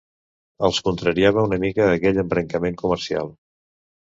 Els contrariava una mica aquell embrancament comercial